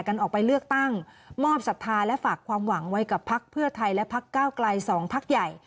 กันออกไปเลือกตั้งมอบศรัทธาและฝากความหวังไว้กับพักเพื่อไทยและพักเก้าไกลสองพักใหญ่